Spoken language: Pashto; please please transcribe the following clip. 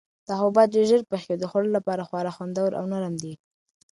دا حبوبات ډېر ژر پخیږي او د خوړلو لپاره خورا خوندور او نرم دي.